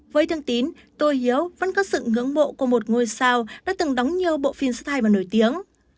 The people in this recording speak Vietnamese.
với thương tín tô hiếu vẫn có sự ngưỡng mộ của một ngôi sao đã từng đóng nhiều bộ phim style mà nổi tiếng